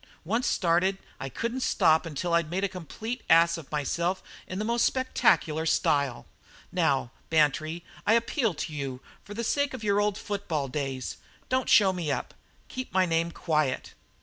Once started, I couldn't stop until I'd made a complete ass of myself in the most spectacular style. Now, Bantry, I appeal to you for the sake of your old football days, don't show me up keep my name quiet."